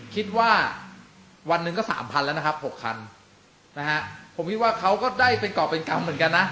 คิดว่าวันหนึ่งก็สามพันแล้วนะครับ๖คันนะฮะผมคิดว่าเขาก็ได้เป็นกรอบเป็นกรรมเหมือนกันนะ